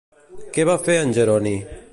Què va fer en Jeroni?